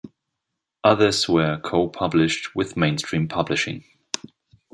Others were co-published with Mainstream Publishing.